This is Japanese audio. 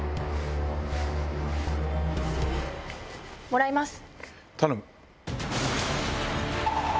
もらいます。